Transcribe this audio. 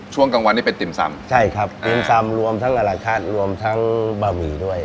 ช่วงกลางวันนี้เป็นติ่มซำใช่ครับติ่มซำรวมทั้งอะไรคาดรวมทั้งบะหมี่ด้วย